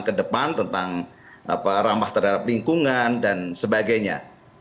ke depan tentang ramah terhadap lingkungan dan sebagainya